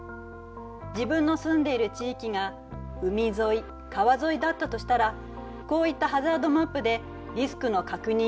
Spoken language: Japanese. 自分の住んでいる地域が海沿い川沿いだったとしたらこういったハザードマップでリスクの確認をしておくことは大事よね。